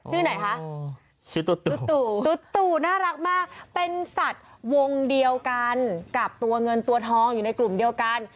ชื่อไหนคะชื่อตูตุน่ารักมากเป็นสัตว์วงเดียวกันกับตัวเงินตัวทองอยู่ในกลุ่มเดียวกัน